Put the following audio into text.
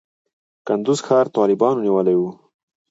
کندز ښار طالبانو نیولی و.